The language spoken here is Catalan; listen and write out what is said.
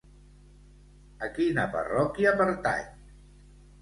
A quina parròquia pertany?